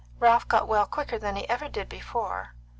Ralph got well quicker than he ever did before.